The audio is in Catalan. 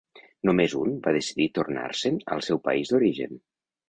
Només un va decidir tornar-se'n al seu país d'origen.